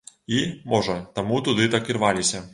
І, можа, таму туды так ірваліся.